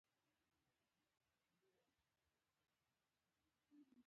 سیاست علم نظري مباحثو بلدتیا ولري.